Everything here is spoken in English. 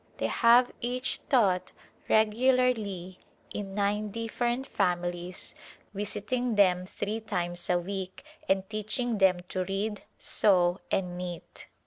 They have each taught regularly in nine different families visiting them three times a week and teaching them to read, sew and knit.